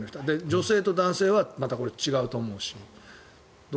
女性と男性はまた違うと思うし。